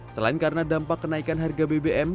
selain karena dampak kenaikan harga bbm